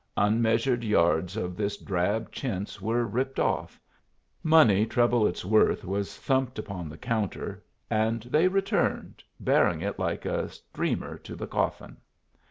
Unmeasured yards of this drab chintz were ripped off, money treble its worth was thumped upon the counter, and they returned, bearing it like a streamer to the coffin.